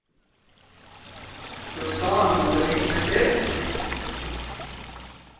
Her song was a major hit.